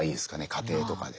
家庭とかで。